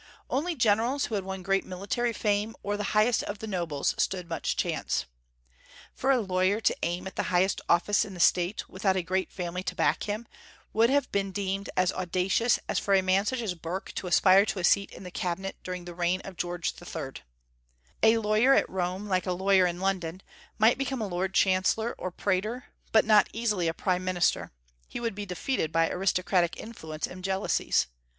Only generals who had won great military fame, or the highest of the nobles, stood much chance. For a lawyer to aim at the highest office in the State, without a great family to back him, would have been deemed as audacious as for such a man as Burke to aspire to a seat in the cabinet during the reign of George III. A lawyer at Rome, like a lawyer in London, might become a lord chancellor or praetor, but not easily a prime minister: he would be defeated by aristocratic influence and jealousies.